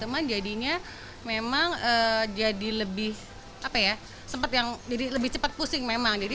cuman jadinya memang jadi lebih cepat pusing memang